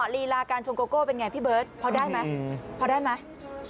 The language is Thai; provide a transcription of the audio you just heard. ลีลาการชงโกโก้เป็นไงพี่เบิร์ตพอได้ไหมพอได้ไหม